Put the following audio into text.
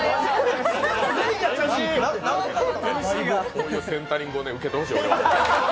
このセンタリングを受けてほしい。